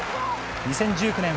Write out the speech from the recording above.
２０１９年